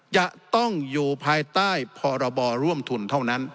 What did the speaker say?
จะต้องอยู่ภายใต้พรบร่วมทุนเท่านั้น